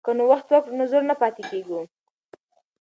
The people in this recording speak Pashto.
که نوښت وکړو نو زوړ نه پاتې کیږو.